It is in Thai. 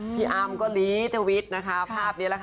พี่อ้ำก็ลีทวิทย์ภาพนี้แล้วค่ะ